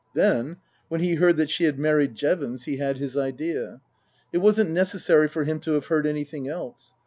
Then when he heard that she had married Jevons he had his idea. It wasn't necessary for him to have heard anything else.